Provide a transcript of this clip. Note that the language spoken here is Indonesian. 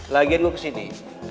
lagian lo kesini